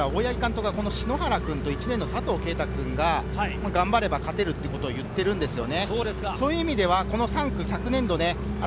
試合前から篠原君と１年生の佐藤圭汰君が頑張れば勝てるっていうことを言っているんですよね。